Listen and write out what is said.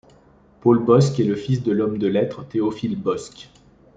Paul Bosq est le fils de l'homme de lettres Théophile Bosq.